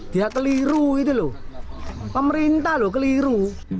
dia keliru gitu loh pemerintah loh keliru